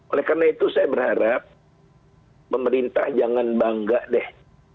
oleh karena itu saya berharap pemerintah jangan bangga deh